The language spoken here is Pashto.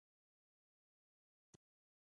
آزاد تجارت مهم دی ځکه چې څاروي ښه کوي.